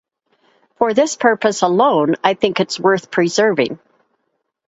For this purpose alone, I think it’s worth preserving.